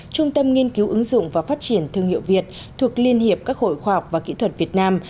trung tâm nghiên cứu ứng dụng và phát triển thương hiệu việt thuộc liên hiệp các hội khoa học và kỹ thuật việt nam